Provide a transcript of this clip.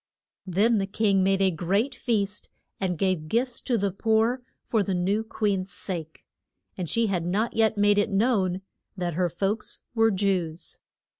Then the king made a great feast, and gave gifts to the poor for the new queen's sake. And she had not yet made it known that her folks were Jews.